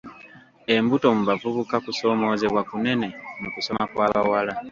Embuto mu bavubuka kusoomoozebwa kunene mu kusoma kw'abawala.